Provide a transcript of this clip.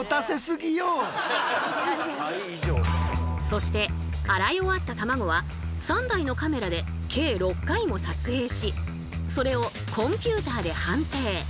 そして洗い終わったたまごは３台のカメラで計６回も撮影しそれをコンピューターで判定。